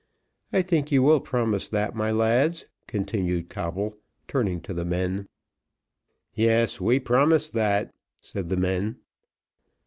I think you will promise that, my lads," continued Coble, turning to the men. "Yes, we promise that," said the men.